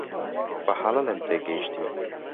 بەهەڵە لێم تێگەیشتی.